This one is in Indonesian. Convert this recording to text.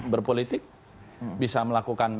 berpolitik bisa melakukan